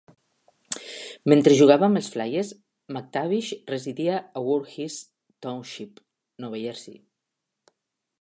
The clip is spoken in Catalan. Mentre jugava amb els Flyers, MacTavish residia a Voorhees Township, Nova Jersey.